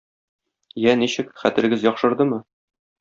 Я, ничек, хәтерегез яхшырдымы?